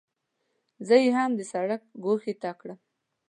زه یې هم د سړک ګوښې ته کړم.